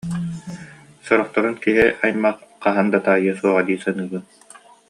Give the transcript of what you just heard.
Сорохторун киһи аймах хаһан да таайыа да суоҕа дии саныыбын